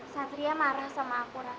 satria marah sama aku